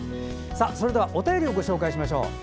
それではお便りをご紹介しましょう。